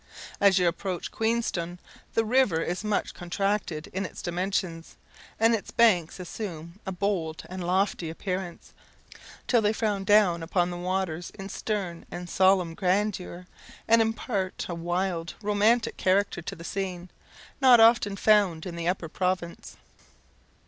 As you approach Queenstone, the river is much contracted in its dimensions, and its banks assume a bold and lofty appearance, till they frown down upon the waters in stern and solemn grandeur, and impart a wild, romantic character to the scene, not often found in the Upper Province.